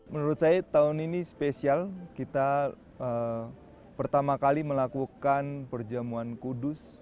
menurut saya tahun ini spesial kita pertama kali melakukan perjamuan kudus